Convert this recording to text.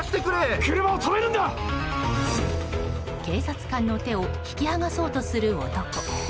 警察官の手を引きはがそうとする男。